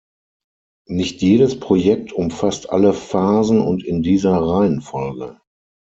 Nicht jedes Projekt umfasst alle Phasen und in dieser Reihenfolge.